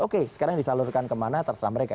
oke sekarang disalurkan kemana terserah mereka